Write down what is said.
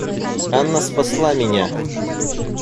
Анна спасла меня.